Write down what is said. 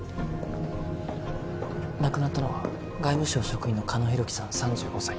亡くなったのは外務省職員の狩野浩紀さん３５歳